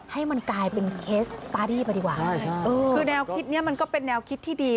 ให้มันกลายเป็นเคสตาร์ดี้ไปดีกว่าคือแนวคิดนี้มันก็เป็นแนวคิดที่ดี